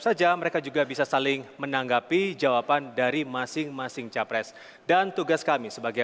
saja mereka juga bisa saling menanggapi jawaban dari masing masing capres dan tugas kami sebagai